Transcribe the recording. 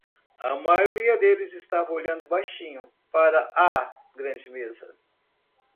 A maioria deles estava olhando baixinho para a grande mesa.